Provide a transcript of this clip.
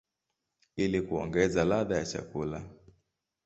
ili kuongeza ladha ya chakula.